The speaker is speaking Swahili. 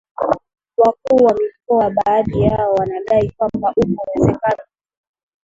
wakuu wa mikoa baadhi yao wanadai kwamba upo uwezekano wa